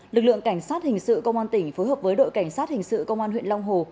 lực lượng cảnh sát hình sự công an tỉnh phối hợp với đội cảnh sát hình sự công an huyện long hồ